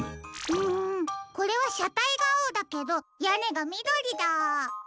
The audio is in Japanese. うんこれはしゃたいがあおだけどやねがみどりだ。